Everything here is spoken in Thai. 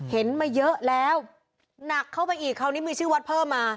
เห็นมาเยอะแล้วหนักเข้าไปอีกคราวนี้มีชื่อวัดเพิ่มมา